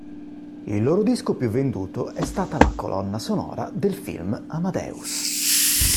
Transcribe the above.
Il loro disco più venduto è stata la colonna sonora del film Amadeus.